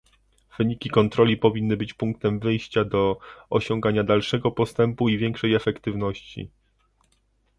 Wyniki kontroli powinny być punktem wyjścia do osiągania dalszego postępu i większej efektywności